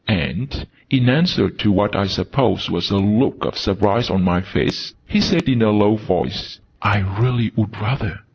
And, in answer to what I suppose was a look of surprise on my face, he said in a low voice, "I really would rather.